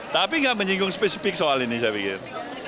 tapi nggak menyinggung spesifik soal ini saya pikir